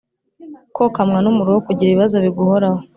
kokamwa n’umuruho: kugira ibibazo biguhoraho